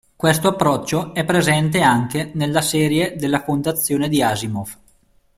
Questo approccio è presente anche nella serie della Fondazione di Asimov.